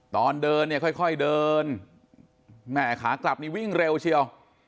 ตอนเดินเนี่ยค่อยเดินแม่ขากลับนี่วิ่งเร็วเชียว